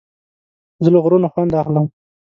زه له غرونو خوند اخلم.